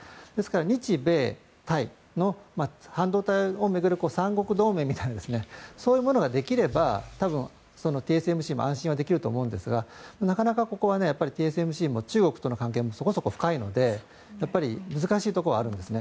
日米台の半導体を巡る三国同盟みたいなそういうものができれば多分、ＴＳＭＣも安心はできると思うんですがなかなかここはＴＳＭＣも中国との関係もそこそこ深いので難しいところはあるんですね。